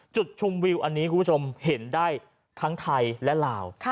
จุดชมวิวอันนี้คุณผู้ชมเห็นได้ทั้งไทยและลาว